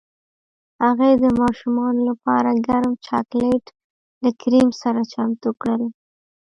هغې د ماشومانو لپاره ګرم چاکلیټ له کریم سره چمتو کړل